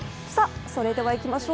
それではいきましょう。